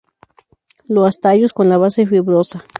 Loas tallos con la base fibrosa.